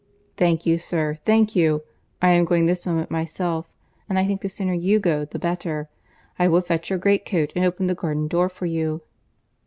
"Thank you, sir, thank you; I am going this moment myself; and I think the sooner you go the better. I will fetch your greatcoat and open the garden door for you."